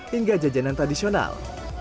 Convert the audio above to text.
hingga jajanan tradisional